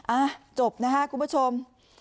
อ่ะจบนะคะคุณผู้ชม